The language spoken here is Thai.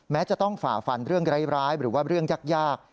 แม้จะต้องฝ่าฟันเรื่องร้ายหรือว่าเรื่องยาก